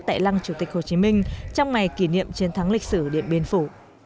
tại lăng chủ tịch hồ chí minh trong ngày kỷ niệm chiến thắng lịch sử điện biên phủ